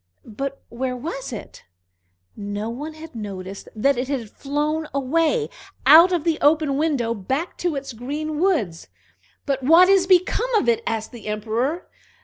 But where was it? No one had noticed that it had flown away, out of the open window, back to its green woods. "But what is become of it?" asked the Emperor.